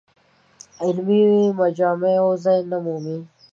علمي مجامعو ځای نه مومي.